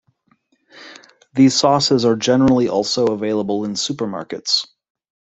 These sauces are generally also available in supermarkets.